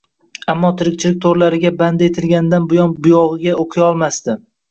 Ammo tirikchilik to'rlariga bandi etilganidan bundan buyog'nga o'qiyolmasdi.